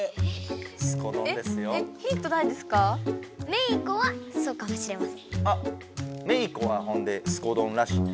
メイ子はそうかもしれません。